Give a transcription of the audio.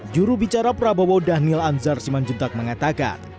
jurubicara prabowo daniel anzar simanjuntak mengatakan